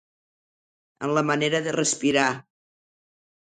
En la manera de respirar.